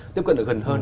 tiếp cận được gần hơn